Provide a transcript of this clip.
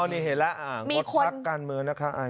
อ๋อนี่เห็นแล้วงดทักการเมืองนะคะอายคน